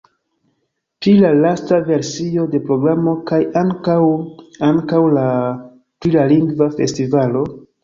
Pri la lasta versio de programo kaj ankaŭ... ankaŭ la... pri la lingva festivalo?